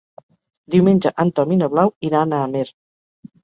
Diumenge en Tom i na Blau iran a Amer.